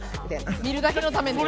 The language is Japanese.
見るだけのために。